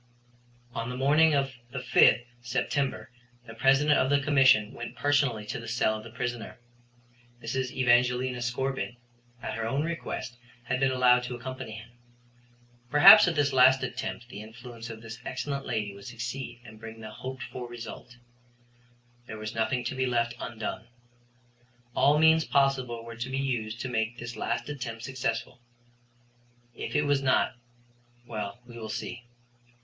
On the morning of the 5th September the President of the Commission went personally to the cell of the prisoner. Mrs. Evangelina Scorbitt, at her own request, had been allowed to accompany him. Perhaps at this last attempt the influence of this excellent lady would succeed and bring the hoped for result. There was nothing to be left undone. All means possible were to be used to make this last attempt successful. If it was not well, we will see.